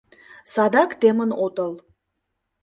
Садак темын отыл.